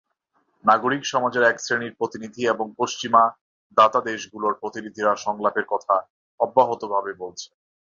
নাগরিক সমাজের একশ্রেণির প্রতিনিধি এবং পশ্চিমা দাতাদেশগুলোর প্রতিনিধিরা সংলাপের কথা অব্যাহতভাবে বলছেন।